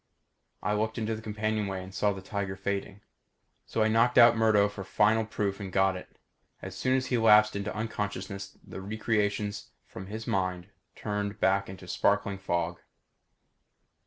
I looked into the companionway and saw the tiger fading. So I knocked out Murdo for final proof and got it. As soon as he lapsed into unconsciousness the recreations from his mind turned back into sparkling fog.